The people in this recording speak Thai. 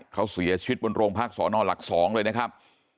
เขาเสียชีวิตบนโรงพักษอนอนหลัก๒เลยนะครับ